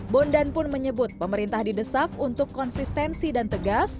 bondan pun menyebut pemerintah didesak untuk konsistensi dan tegas